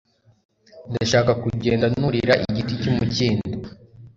ndashaka kugenda nurira igiti cyumukindo